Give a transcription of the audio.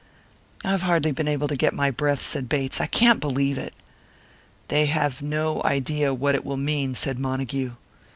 "I've hardly been able to get my breath," said Bates. "I can't believe it." "They have no idea what it will mean," said Montague.